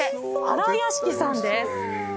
新屋敷さんです。